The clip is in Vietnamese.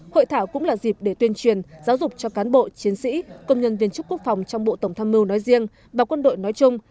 hội thảo cũng là dịp để tuyên truyền giáo dục cho cán bộ chiến sĩ công nhân viên chức quốc phòng trong bộ tổng tham mưu nói riêng và quân đội nói chung